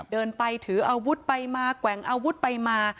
เดินไปถืออาวุธไปมาแกว่งอาวุธไปมา